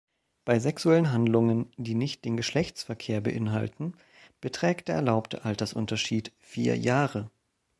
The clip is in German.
Bei sexuellen Handlungen, die nicht den Geschlechtsverkehr beinhalten, beträgt der erlaubte Altersunterschied vier Jahre.